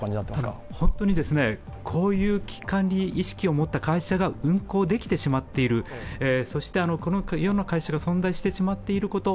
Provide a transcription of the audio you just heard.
本当にこういう危機管理意識を持った会社が運航できてしまっている、そして、このような会社が存在してしまっていること